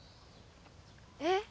えっ？